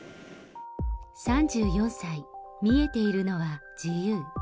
３４歳、見えているのは自由。